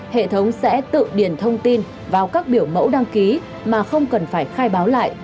hệ thống sẽ tự điền thông tin vào các biểu mẫu đăng ký mà không cần phải khai báo lại